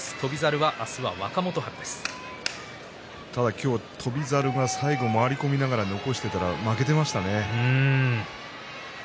今日は翔猿が回り込みながら残していたら負けていましたね。